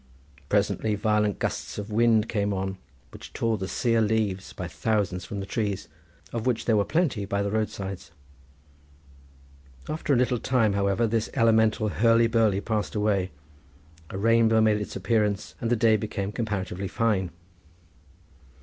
Presently violent gusts of wind came on, which tore the sear leaves by thousands from the trees of which there were plenty by the roadsides. After a little time, however, this elemental hurly burly passed away, a rainbow made its appearance and the day became comparatively fine.